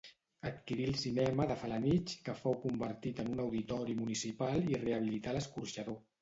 Adquirí el cinema de Felanitx que fou convertit en un auditori municipal i rehabilità l'escorxador.